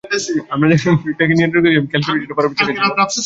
আমরা যখন ফিডটাকে নিয়ন্ত্রণ করছিলাম, খেয়াল করেছ এটা পরাবৃত্তাকার ছিল?